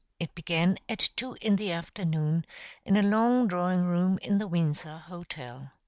It began at two in the afternoon in a long drawing room in the Windsor Hotel.